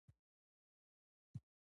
چې پیاز او قوطۍ والا غوښې هم پکې وې راوړل.